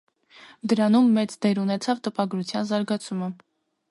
Դրանում մեծ դեր ունեցավ տպագրության զարգացումը։